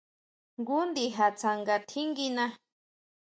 Jngu ndija tsanga tjinguina.